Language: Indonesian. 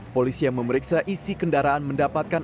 polisi yang memeriksa isi kendaraan mendapatkan